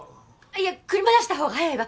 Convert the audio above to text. いや車出した方が早いわ。